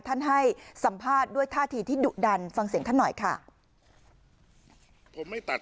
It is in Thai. ให้สัมภาษณ์ด้วยท่าทีที่ดุดันฟังเสียงท่านหน่อยค่ะ